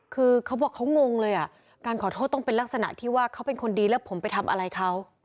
คือเขาบอกเขางงเลยอ่ะการขอโทษต้องเป็นลักษณะที่ว่าเขาเป็นคนดีแล้วผมไปทำอะไรเขา